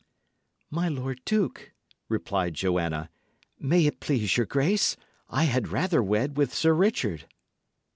"My lord duke," replied Joanna, "may it please your grace, I had rather wed with Sir Richard."